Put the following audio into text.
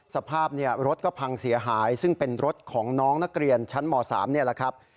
สภาพรถก็พังเสียหายซึ่งเป็นรถของน้องนักเรียนชั้นม๓นี่แหละครับ